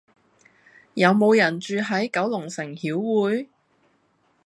有無人住喺九龍城曉薈？